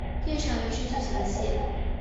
店上有一只巨型的蟹。